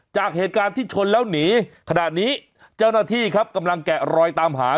จากเหตุการณ์ที่ชนแล้วหนีขนาดนี้เจ้าหน้าที่ครับกำลังแกะรอยตามหา